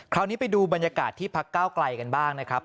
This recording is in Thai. คราวนี้ไปดูบรรยากาศที่พักเก้าไกลกันบ้างนะครับ